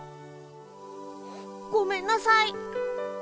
ごめんなさい。